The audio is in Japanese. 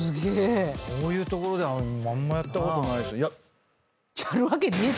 こういう所であんまやったことないですよ。